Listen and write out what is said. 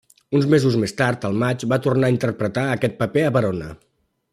Uns mesos més tard, al maig, va tornar a interpretar aquest paper a Verona.